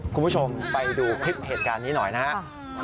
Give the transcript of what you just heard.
คุณผู้ชมไปดูคลิปเหตุการณ์นี้หน่อยนะครับ